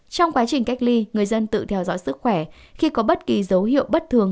trong quá trình cách ly người dân tự theo dõi sức khỏe khi có bất kỳ dấu hiệu bất thường